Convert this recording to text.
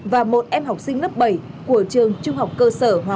và một em học sinh lớp bảy của trường trung học cơ sở hoàng huy